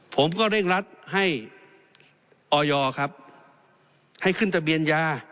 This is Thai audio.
ผมก็เร่งรัดให้ออยครับให้ขึ้นทะเบียนยา